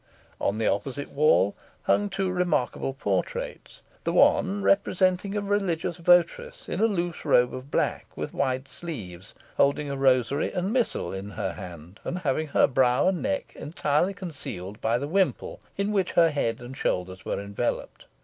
On the opposite wall hung two remarkable portraits the one representing a religious votaress in a loose robe of black, with wide sleeves, holding a rosary and missal in her hand, and having her brow and neck entirely concealed by the wimple, in which her head and shoulders were enveloped.